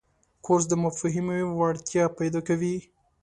کورس د مفاهمې وړتیا پیدا کوي.